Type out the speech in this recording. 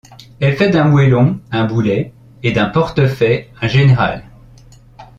Elle fait d’un moellon un boulet et d’un portefaix un général.